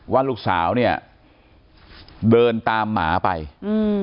ว่าลูกสาวเนี้ยเดินตามหมาไปอืม